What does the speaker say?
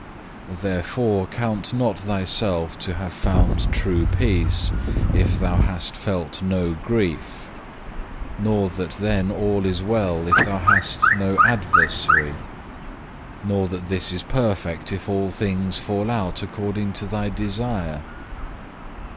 Therefore count not thyself to have found true peace, if thou hast felt no grief; nor that then all is well if thou hast no adversary; nor that this is perfect if all things fall out according to thy desire.